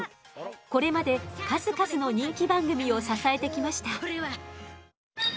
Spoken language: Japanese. これまで数々の人気番組を支えてきました。